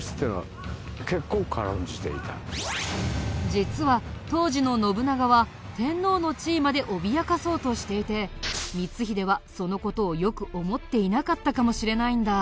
実は当時の信長は天皇の地位まで脅かそうとしていて光秀はその事をよく思っていなかったかもしれないんだ。